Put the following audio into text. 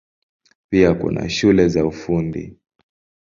Pia kuna shule za Ufundi.